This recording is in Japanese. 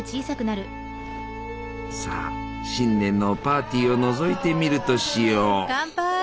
さあ新年のパーティーをのぞいてみるとしよう。